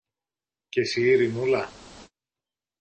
Και συ, Ειρηνούλα;